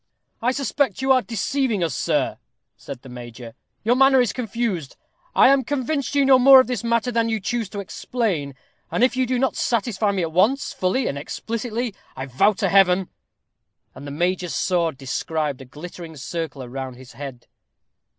"I suspect you are deceiving us, sir," said the major. "Your manner is confused. I am convinced you know more of this matter than you choose to explain; and if you do not satisfy me at once, fully and explicitly, I vow to Heaven " and the major's sword described a glittering circle round his head.